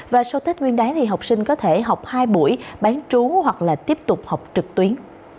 và sau tết nguyên đáy thì học sinh có thể học hai buổi bán trú hoặc là tiếp tục học trực tuyến